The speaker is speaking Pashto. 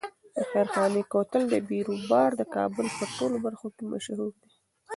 د خیرخانې د کوتل بیروبار د کابل په ټولو برخو کې مشهور دی.